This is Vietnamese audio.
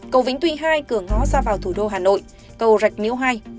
cầu vĩnh tuy hai cửa ngó ra vào thủ đô hà nội cầu rạch níu hai